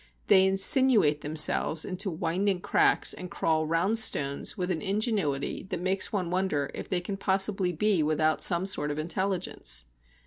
They insinuate themselves into winding cracks and crawl round stones with an ingenuity that makes one wonder if they can possibly be without some sort of intelligence.